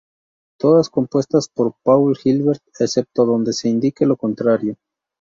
Todas compuestas por Paul Gilbert, excepto donde se indique lo contrario.